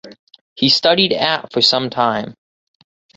He studied at for some time.